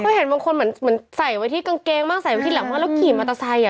เค้าเห็นบางคนเหมือนใส่ไว้ที่กางเกงมากใส่ไว้ที่หลังมากแล้วขี่มาตาไทย